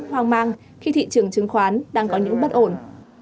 hoang mang khi thị trường chứng khoán đang có những bất ổn